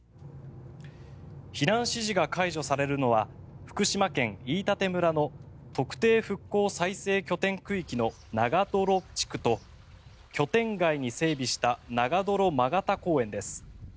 避難指示が解除されるのは福島県飯舘村の特定復興再生拠点区域の長泥地区と拠点外に整備した長泥曲田公園です。